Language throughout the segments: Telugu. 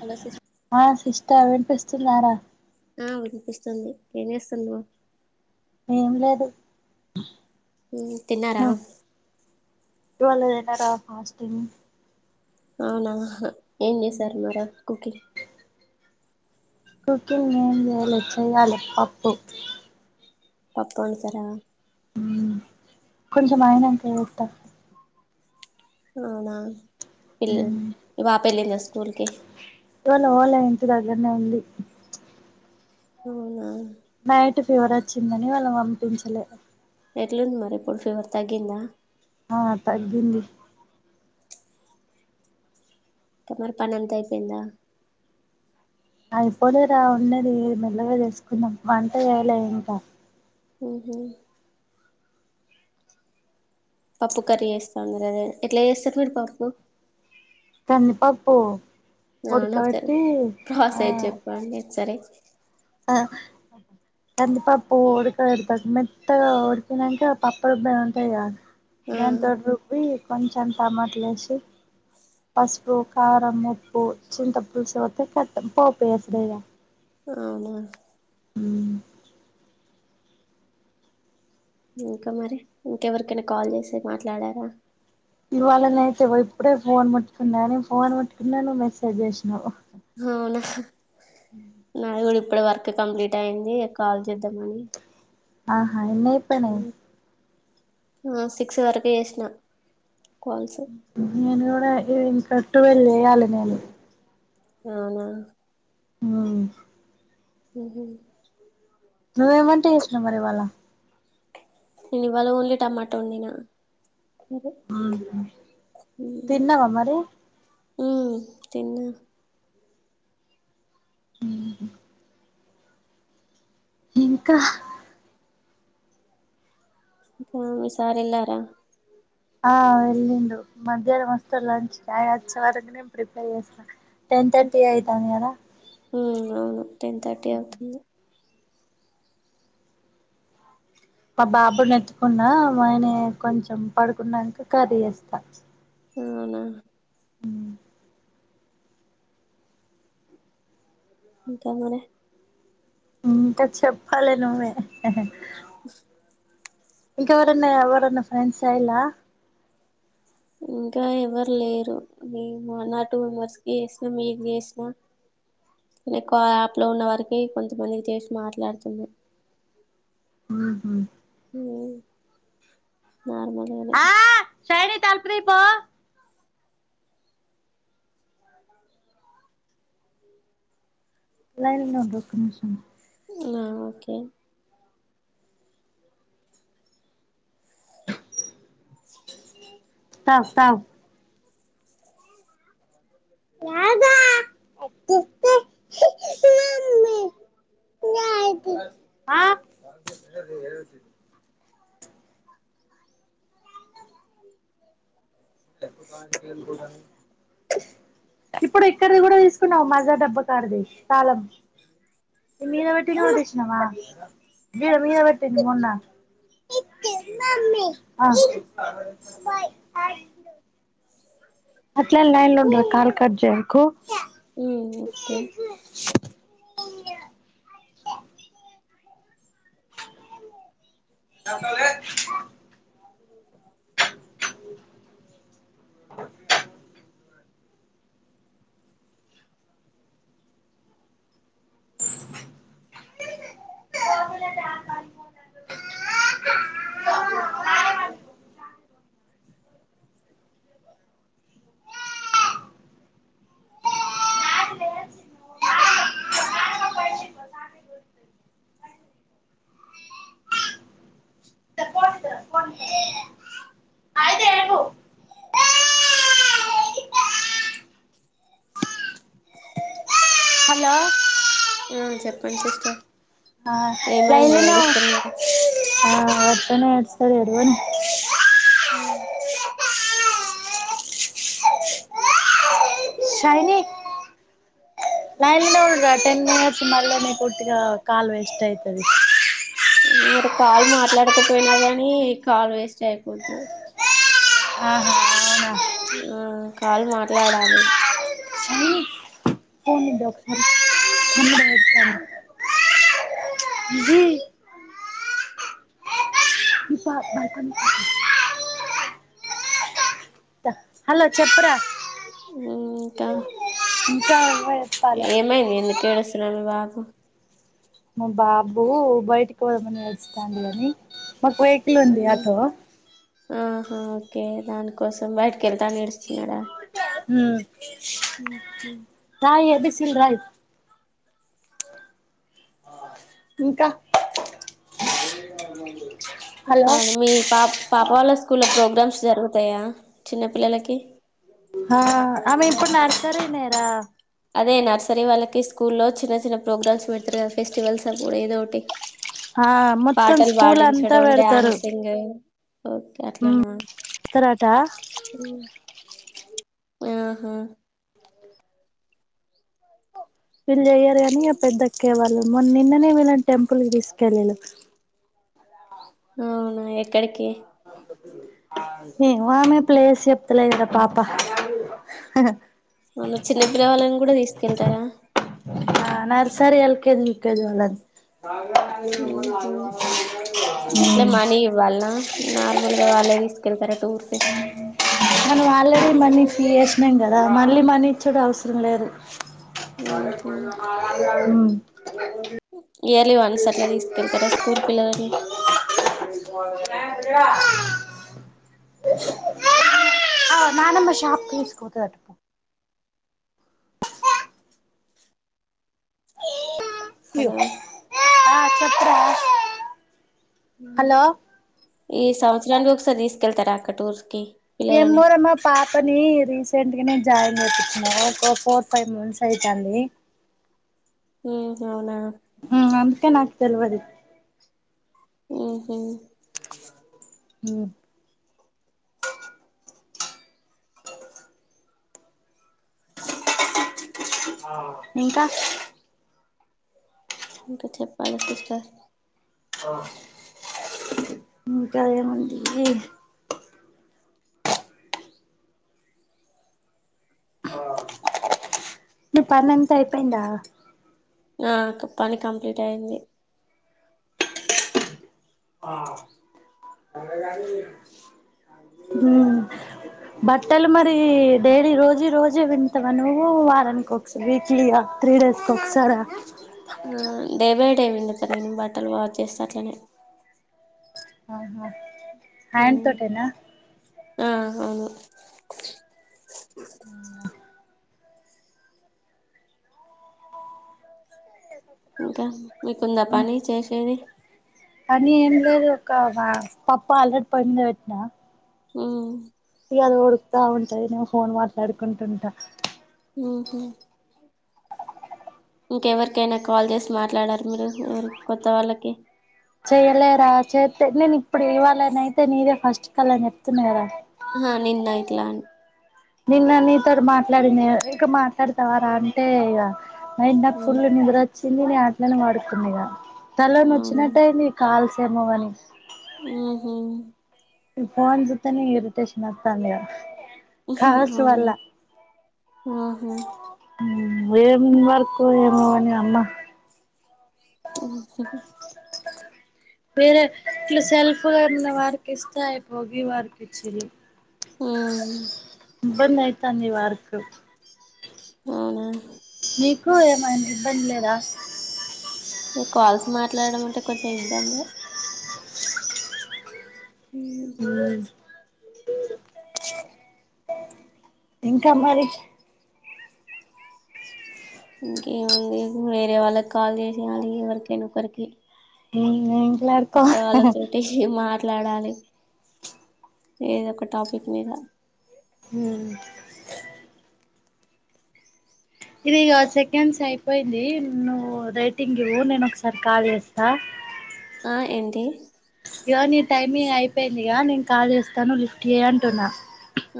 హలో సిస్ ఆ సిస్ ఆ వినిపిస్తుందారా ఉ వినిపిస్తుంది ఏం చేస్తుండవ్ ఏం లేదు తిన్నారా ఇవాళ తినరా ఫాస్టింగ్ అవునా హా ఏం చేశారు మర కుకింగ్ కుకింగ్ ఏం చేయాలె చెయ్యాలి పప్పు పప్పు వండుతరా కొంచం అయినంక చెత్త అవునా [unintelligible] స్కూల్కి ఓల ఓల ఇంటి దగ్గర్నే ఉంది. అవునా బయటిప్ ఫీవర్ వచ్చిందని వాళ్ళన్ పంపించలే ఎట్లుంది మరి ఇప్పుడు ఫీవర్ తగ్గిందా ఆ తగ్గింది. ఇంకా మరి పని అంతా అయిపోయిందా. అయిపోనే రా ఉన్నది మెల్లగా చేసుకుందాం వంట చేయలె ఇంకా హ్ హ్ పప్పు కర్రీ చేస్తాన్ది రా ఎట్లా చేస్తారు మీరు పప్పు కంది పప్పూ ప్రాసెస్ చెప్పండి ఒకసారి ఆ కంది పప్పు ఉడకపెడ్తారు మెత్తగా ఉడికినంక పప్పు రుబ్బేది ఉంటదిగా ఆ దాన్ తోని రబ్బీ కొంచెం టమాట్లేసి పసుపు, కారం, ఉప్పు, చింత పులుసు పోతే కతం పోపు వేసుడే ఇగ అవునా మ్ ఇంకా మరి ఇంకెవరికైనా కాల్ చేసి మాట్లాడారా ఇవాళ నయితే ఇగో ఇప్పుడే ఫోన్ ముట్టుకున్నాను. ఫోన్ ముట్టుకున్నా నువ్వు మెసేజ్ చేసినవ్ అవునా నాది గుడ ఇప్పుడే వర్క్ కంప్లీట్ అయింది కాల్ చేద్దాంమని ఆ ఆ ఎన్నైపోయినయి. ఆ సిక్స్ వరకు చేసినా నేను ఇంకా ట్వల్ చేయాలే నేను అవునా ఆ ఆహ నువ్ ఏం వంట చేసినవ్ మరి ఇవాళ నేను ఇవాళ ఓన్లీ టమాటా వండినా సరే తిన్నవా మరి మి తిన్న. ఇంకా ఇంకా మీ సార్ ఎల్లారా ఆ ఎళ్ళిండు మధ్యాహ్నం వస్తాడు లంచ్ ఆయన వచ్చే వరకు నేన్ ప్రిపేర్ చేస్తా టెన్ థర్టీ అయితంది గద అవును టెన్ థర్టీ అవుతుంది మా బాబు నెత్తుకున్న వాని కొంచెం పడుకున్నంక కర్రీ యేస్త అవునా ఊమ్ ఇంక మోనే ఇంక చెప్పాలే నువ్వే ఇంకా ఎవరన్నా ఎవరన్నా ఫ్రెండ్స్ అయిలా ఇంకా ఎవ్వరు లేరు నేమో నా టూ మెంబర్స్కి యేస్నా మీకు యేస్నా కానీ కా యాప్ లో ఉన్న వారికి కొంతమందికి చేషి మాట్లాడుతున్నా. ఆహ ఊమ్ నార్మల్గానే టాడి తలుపు తీ పో లైన్లో ఉండు ఒక నిమిషం ఆ ఓకే తావ్ తావ్ ద ఇప్పుడు ఇక్కడిది కూడా దీసుకున్నావు, మజా డబ్బ కాడిది తాలం మీద వెట్టింది గూడ దీష్ణనా మీద మీద వెట్టింది మొన్న. అట్లన్ లైన్లుండే కాల్ కజేయకు ఉమ్ ఓకే అ న కాల్ లేద్ అయితే ఏడుపు హలో ఆ చెప్పండి సిస్టర్ ఏమైంది లైన్లనొ ఏడుస్తున్నారు తనే ఎడ్స్తడు ఏడవని ఊమ్ శైని లైన్లో ఉండురా టెన్ మినట్స్ మళనే పూర్తిగా కాల్ వేస్ట్ అయితది. ఊరు కాలు మాట్లాడకపోయినా గానీ కాలు వేస్ట్ అయిపోద్ది ఆహ అవునా ఆ కాలు మాట్లాడాలి సైని ఫోన్ ఇద్దు ఒకసారి తమ్ముడు ఏడుత్తాండు. ఇది ఈ పా బాల్కనీ పక్కన. త- హలో చెప్పురా ఊ ఇంకా ఇంకా చెప్పాలే ఏమైంది ఎందు కేడుస్తున్నడు మీ బాబు మా బాబు బయటకి ఓదమని ఏడుస్తండు గానీ మకు వెక్లుంది ఉమ్, అటో ఆహా ఓకే దానికోసం బయటికి వెళ్తా నేను ఇప్పుడు ఊ ఉమ్. రాయ్ ఏబిస్ సి లు రాయ్ ఇంకా ఉ హలో మీ పాప్ పాప వాళ్ళ స్కూల్లో ప్రోగ్రామ్స్ జరుగుతాయా చిన్న పిల్లలకి అ ఆమె ఇప్పుడు నర్సరీ నే రా అదే నర్సరీ వాళ్ళకి స్కూల్ల్లో చిన్న చిన్న ప్రోగ్రామ్స్ పెడుతారు కదా ఫెస్టివల్స్ అప్పుడు ఏదో ఒకటి ఆ మొత్తం పాటలు స్కూల్ అంతా పాడించడం పెడతారు డ్యాన్సింగ్ ఓకే అట్లనా ఇస్తారట ఆహా వీళ్ళు చెయ్యరు కాని పెద్ద ఎక్కేవాళ్ళు మొ నిన్ననే వీళ్ళని టెంపుల్ కి తీసుకెళ్లిండ్రు అవునా ఎక్కడి కీ ఏమో ఆమె ప్లేస్ చెప్త లేదు కదా పాప మల్ల చిన్నపిల్లవాళ్ళని కూడా తీసుకెళ్తారా ఆ నర్సరి ఎల్కేజీ యూకేజీ వాళ్ళందరినీ ఇట్లా మనీ ఇవ్వాలనా నార్మల్గా వాళ్ళే తీసుకెళ్తార ఊరికే మనం ఆల్రెడీ మనీ ఫీ చేసినాం కదా మళ్ళీ మనీ ఇచ్చుడు అవసరం లేదు ఉహు ఇయర్లీ వన్స్ అట్లా తీసుకెళ్తారా స్కూల్ పిల్లలని నన షాప్ కస్ కొతు తటుపో హలో చెప్పు రా ఈ సౌ ఇయర్లీ ఒకసారి తీసుకెళ్తార అక్క టూర్స్ కి పిల్లలని ఏమో రమ్మ పాపని రీసెంట్ గనే జాయిన్ చేపిచ్చిన ఒక ఫోర్ ఫైవ్ మంత్స్ అయితాంది ఉ హూ అవునా అం నాకు తెల్వదే ఉహ అ [unintelligible] అ [unintelligible] ఆ ఇంకా ఇంకా చెప్పాలి సిస్టర్. ఆ ఇంక ఏముంది ప్లీజ్ ను పనంత అయిపోయిందా నా పని కంప్లీట్ అయంది. ఉ బట్టలు మరి డైలీ రోజీ రోజే విప్పుతావా నువ్వు. వారనికి ఒకసారి, వీక్లీగా, త్రీ డేస్ క ఒకసార ఆ డే బై డే పిండుత నేను బట్టలు వాట్ చేస్తా అట్నే ఆహా హ్యాండ్ మ్మ్ తోటేనా ఆ అవును అ ఇంకా మీకుంద పని చేసేది పని ఏం ఒక పాప్పా అలెట్ పయింది వెట్నా ఆ ఇ అద ఉడుకుతా ఉంటది నేను ఫోన్ మాట్లాడుకుంటుంటా. ఆఓహ ఇంకెవరికైనా కాల్ చేసి మాట్లాడారు మీరు ఎవరి కొత్త వాళ్ళకి. చేయలేరా చేస్త నేను ఇప్పుడు ఇవ్వాలని అయితే నీరే ఫస్ట్ కల్ని చెప్తున్నార. ఆ నిన్నయిత్లా అం నిన్న నితో మాట్లాడింది ఇంకా మాట్లాడతావారా అంటే ఇక నన్న మ్మ్ ఫుల్ ని వ చిందిని ఆటలను వాడుతుందిగా తల వచ్చినట్టుయింది కాల్స్. శర్మోవని ఓహో ఫోన్ జతేనే ఇరిటేషన్ వత్తాంది గా హు హు అవును ఆహా ఏం వర్కు ఏమవని అమ్మ ఓ స వేరే ఇలా సెల్ఫ్గాఉన్న వారికి ఇస్తే అయిపో వారికి ఇచ్చిది. బందయతా ని వార స అవునా మీకు ఏమైనా ఇబ్బంది లేదా మీ కాల్స్ మాట్లాడడం అంటే కొంచెం ఇబ్బంది ఉమ్ ఆ ఇంకా మరి ఇంకా ఆమె లేదు వేరే వాళ్ళకి కాల్ చేసేయాలి ఎవరికైనా ఒకరికి. హ్ మ్ అత్త వాళ్ళ చటి మ మాట్లాడాలి ఏదో ఒక టాపిక్ మీద హ్ ఇది ఇగ సెకండ్స్ అయిపోయింది. నువ్వు రేటింగ్ ఇవ్వు నేను ఒకసారి కాల్ చేస్తా ఆ ఏంటి ఇ నీ టైం ఇగ అయిపోయింది ఇగ నేను కాల్ చేస్తా ను లిఫ్ట్ చేయి అంటున్న.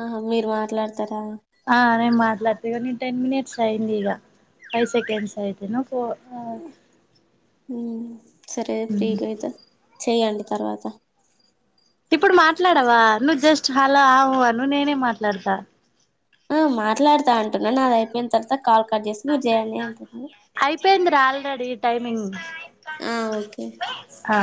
ఆహ మీరు మాట్లాడతారా ఆ నేన్ మాట్లాడ్త ఇగ నీ టెన్ మినిట్స్ అయింది ఇగ ఫైవ్ సెకెండ్స్ అయింది ఫో హ్ సరే ఫ్రీగా అయిత చేయండి తర్వాత ఇప్పుడు మాట్లాడవా నువ్వు జస్ట్ హలో ఆ వు అను నేనే మాట్లాడతా ఆ మాట్లాడతా అంటున్న నాద్ అయిపోయిన తర్వాత కాల్ కట్ చేసి మీరు చేయండి అంటున్నా ఐపోయింది రా ఆల్రెడీ టైమింగ్ ఆ ఓకే ఆ